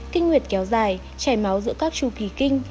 kinh nguyệt kéo dài chảy máu giữa các trù pì kinh